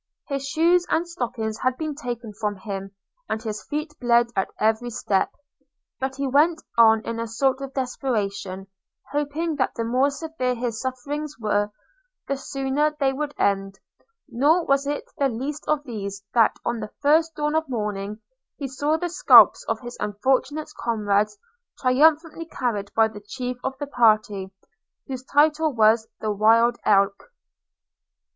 His shoes and stockings had been taken from him, and his feet bled at every step: but he went on in a sort of desperation, hoping that the more severe his sufferings were, the sooner they would end; nor was it the least of these, that, on the first dawn of morning, he saw the scalps of his unfortunate comrades triumphantly carried by the chief of the party, whose title was the Wild Elk.